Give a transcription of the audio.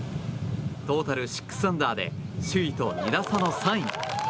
トータル６アンダーで首位と２打差の３位。